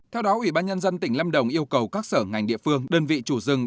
theo đó ủy ban nhân dân tỉnh lâm đồng yêu cầu các sở ngành địa phương đơn vị chủ rừng